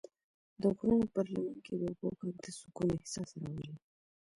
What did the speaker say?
د غرونو پر لمن کې د اوبو غږ د سکون احساس راولي.